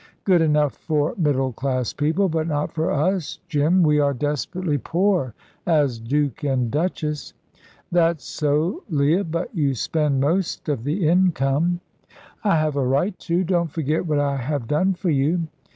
"Good enough for middle class people, but not for us, Jim. We are desperately poor as Duke and Duchess." "That's so, Leah; but you spend most of the income." "I have a right to. Don't forget what I have done for you."